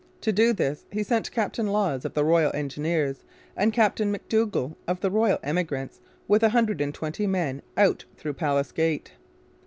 To do this he sent Captain Lawes of the Royal Engineers and Captain McDougall of the Royal Emigrants with a hundred and twenty men out through Palace Gate.